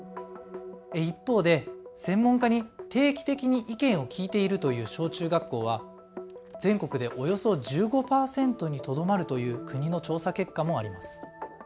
一方で専門家に定期的に意見を聞いているという小中学校は全国でおよそ１５％にとどまるという国の調査結果もあります。